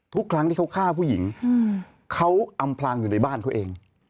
ทุกครั้งที่เขาฆ่าผู้หญิงเขาอำพลางอยู่ในบ้านเขาเอง